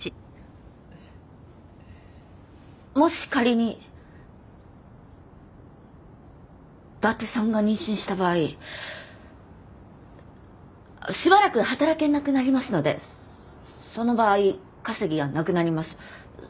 もし仮に伊達さんが妊娠した場合しばらく働けなくなりますのでその場合稼ぎがなくなります。